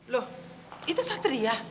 loh itu satria